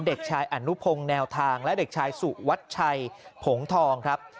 เด็กชายอนุพงศ์แนวทางและเด็กชายสุวัชชัยผงทองครับ